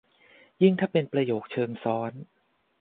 ยิ่งถ้าเป็นประโยคเชิงซ้อน